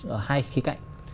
ở hai khía cạnh